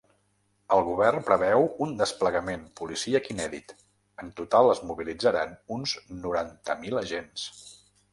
El govern preveu un desplegament policíac inèdit: en total es mobilitzaran uns noranta mil agents.